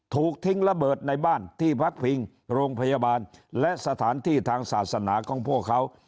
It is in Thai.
ถูกทิ้งระเบิดในบ้านที่พักพิงโรงพยาบาลและสถานที่ทางศาสนาของพวกเขา